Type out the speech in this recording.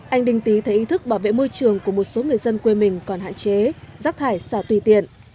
anh đinh tý thấy ý thức bảo vệ môi trường của một số người dân quê mình còn hạn chế rác thải xả tùy tiện